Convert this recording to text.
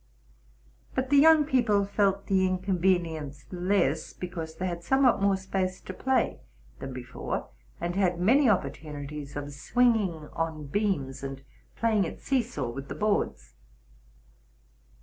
But the young people felt the inconvenience less, because they had somewhat more space for play than be fore, and had many opportunities of swinging on beams, and playing at see saw with the boards.